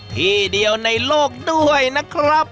ที่เดียวในโลกด้วยนะครับ